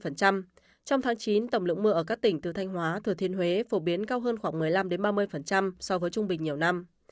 trong tháng chín tổng lượng mưa ở các tỉnh từ thanh hóa thừa thiên huế phổ biến cao hơn khoảng một mươi năm ba mươi so với trung bình nhiều năm